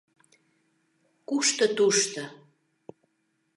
— Кушто тушто...